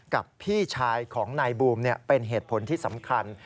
กับพี่ชายของนายบูมเป็นเหตุผลที่สำคัญ